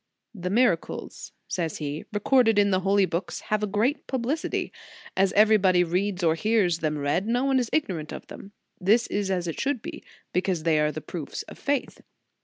"The miracles," says he, "recorded in the holy books, have a great publicity. As everybody reads or hears them read, no one is ignorant of them. This is as it should be, because they are the proofs of faith.